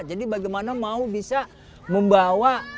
jadi bagaimana mau bisa membawa